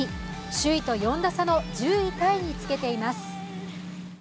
首位と４打差の１０位タイにつけています。